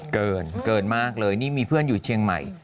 เกินเกินมากเลยนี่มีเพื่อนอยู่เชียงใหม่